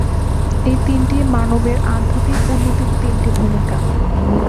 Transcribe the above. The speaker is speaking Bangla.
এই তিনটি মানবের আধ্যাত্মিক উন্নতির তিনটি ভূমিকা।